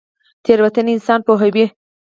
تیروتنه انسان پوهوي